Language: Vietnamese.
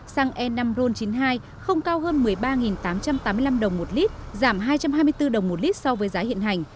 xăng e năm ron chín mươi hai không cao hơn một mươi ba tám trăm tám mươi năm đồng một lít giảm hai trăm hai mươi bốn đồng một lít so với giá hiện hành